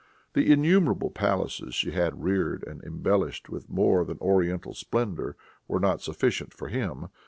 The innumerable palaces she had reared and embellished with more than oriental splendor, were not sufficient for him.